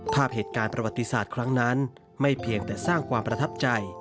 ภาพเหตุการณ์ประวัติศาสตร์ครั้งนั้นไม่เพียงแต่สร้างความประทับใจ